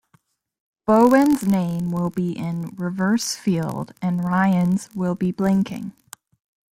Bowen's name will be in reverse-field and Ryan's will be blinking.